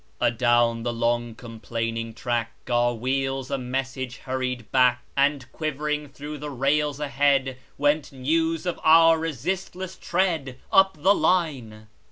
Adown the long, complaining track, Our wheels a message hurried back; And quivering through the rails ahead, Went news of our resistless tread, Up the line.